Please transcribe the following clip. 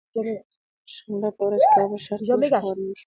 د شنبه به ورځ کابل ښار کې ښه واوره وشوه